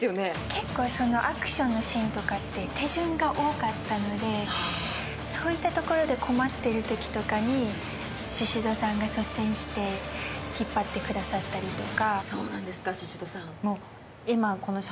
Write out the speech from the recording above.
結構アクションのシーンとかって手順が多かったのでそういったところで困ってるところにシシドさんが率先して引っ張ってくださったりとか。